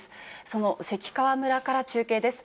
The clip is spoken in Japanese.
その関川村から中継です。